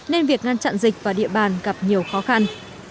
nên việc ngăn chặn dịch và địa bàn gặp nhiều khó khăn